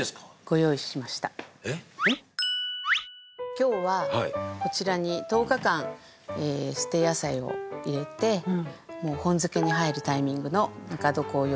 今日はこちらに１０日間捨て野菜を入れてもう本漬けに入るタイミングのぬか床を用意しました。